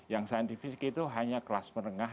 yang saintifik itu hanya kelas menengah